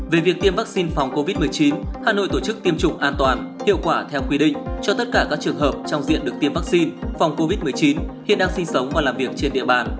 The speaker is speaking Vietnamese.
về việc tiêm vaccine phòng covid một mươi chín hà nội tổ chức tiêm chủng an toàn hiệu quả theo quy định cho tất cả các trường hợp trong diện được tiêm vaccine phòng covid một mươi chín hiện đang sinh sống và làm việc trên địa bàn